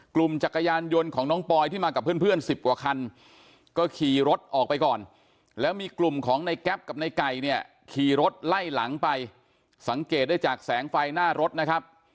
จักรยานยนต์ของน้องปอยที่มากับเพื่อนสิบกว่าคันก็ขี่รถออกไปก่อนแล้วมีกลุ่มของในแก๊ปกับในไก่เนี่ยขี่รถไล่หลังไปสังเกตได้จากแสงไฟหน้ารถนะครับ